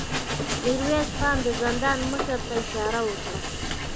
ميرويس خان د زندان مشر ته اشاره وکړه.